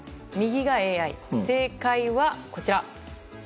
正解はこちら。